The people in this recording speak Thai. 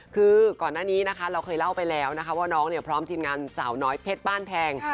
คือก่อนหน้านี้นะคะเราเคยเล่าไปแล้วนะคะว่าน้องเนี่ยพร้อมทีมงานสาวน้อยเพชรบ้านแพง